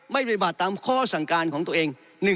ปฏิบัติตามข้อสั่งการของตัวเอง